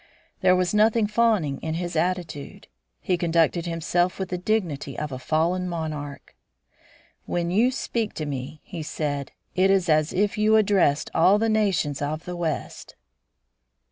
There was nothing fawning in his attitude; he conducted himself with the dignity of a fallen monarch. "When you speak to me," he said, "it is as if you addressed all the nations of the west."